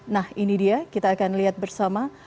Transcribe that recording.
nah ini dia kita akan lihat bersama